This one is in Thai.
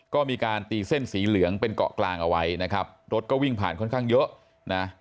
ก็มีการตีเส้นสีเหลืองเป็นเกาะกลางเอาไว้นะครับรถก็วิ่งผ่านค่อนข้างเยอะนะ